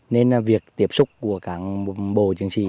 nên việc tiếp xúc của các bộ chiến sĩ